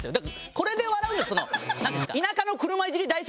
これで笑うのその。